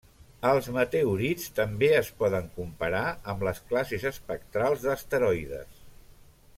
Els meteorits també es poden comparar amb les classes espectrals d'asteroides.